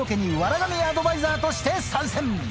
神アドバイザーとして参戦。